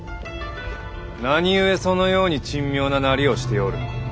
何故そのように珍妙ななりをしておる。